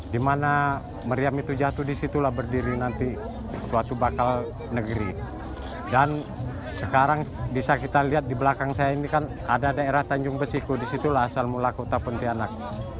dimana meriam itu jatuh disitulah berdiri nanti suatu bakal negeri dan sekarang bisa kita lihat di belakang saya ini kan ada daerah tanjung besiku disitulah asal mula kota pontianak